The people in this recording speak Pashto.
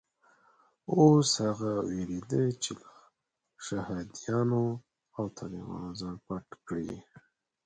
اوس هغه وېرېده چې له شهادیانو او طالبانو ځان پټ کړي.